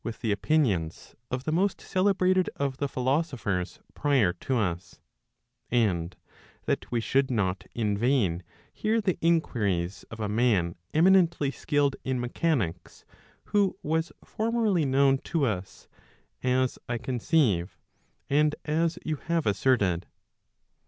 443 opinions of the most celebrated of the philosophers prior to us; and that we should not in vain hear the inquiries of a man eminently skilled in mechanics, who was formerly known to us, as I conceive, and as you have asserted.